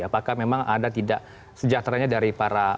apakah memang ada tidak sejahteranya dari para